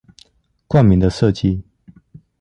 冠名的設計